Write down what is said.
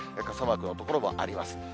傘マークの所もあります。